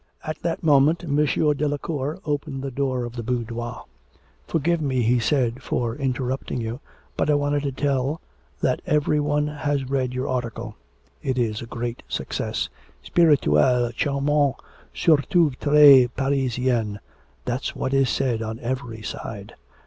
At that moment M. Delacour opened the door of the boudoir: 'Forgive me,' he said, 'for interrupting you, but I wanted to tell that every one has read your article. It is a great success, spirituel, charmant, surtout tres parisien, that's what is said on every side.'